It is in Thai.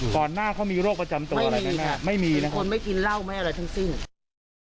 ก่อนหน้าเขามีโรคประจำตัวอะไรมั้ยแม่ไม่มีนะครับเป็นคนไม่กินเงาอะไรทั้งสิ้นครับ